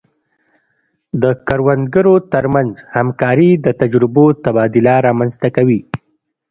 د کروندګرو ترمنځ همکاري د تجربو تبادله رامنځته کوي.